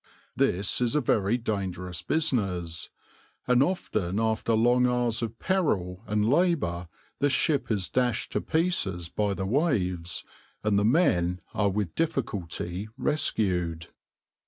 This is a very dangerous business, and often after long hours of peril and labour the ship is dashed to pieces by the waves, and the men are with difficulty rescued.